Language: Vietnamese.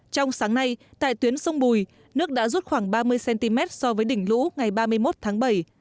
trong sáng nay tại tuyến sông bùi nước đã rút khoảng ba mươi cm so với đỉnh lũ ngày ba mươi một tháng bảy